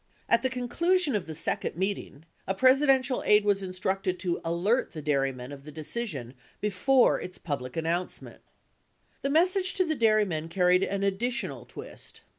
At the conclusion of the second meeting, a Presidential aide was instructed to "alert" the dairymen of the decision before its pub lic announcement. The message to the dairymen carried an additional twist.